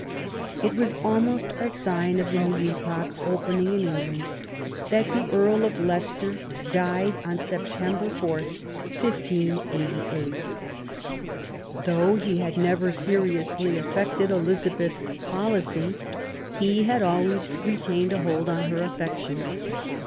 It was almost a sign of the new epoch opening in England that the Earl of Leicester died on September 4, 1588. Though he had never seriously affected Elizabeth's policy, he had always retained a hold on her affections.